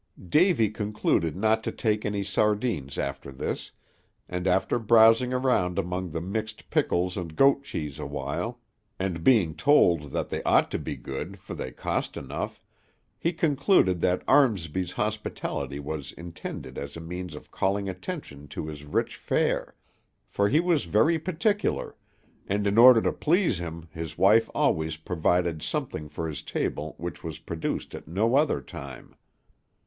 Davy concluded not to take any sardines after this, and after browsing around among the mixed pickles and goat cheese awhile, and being told that they ought to be good, for they cost enough, he concluded that Armsby's hospitality was intended as a means of calling attention to his rich fare; for he was very particular, and in order to please him his wife always provided something for his table which was produced at no other time.